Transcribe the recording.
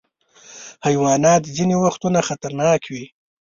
حیوانات ځینې وختونه خطرناک وي.